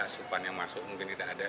supan yang masuk mungkin tidak ada